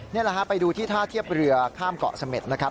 นี่แหละฮะไปดูที่ท่าเทียบเรือข้ามเกาะเสม็ดนะครับ